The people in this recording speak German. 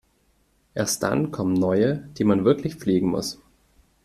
Erst dann kommen neue, die man wirklich pflegen muss.